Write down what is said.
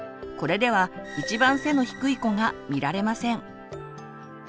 これでは一番背の低い子が見られません。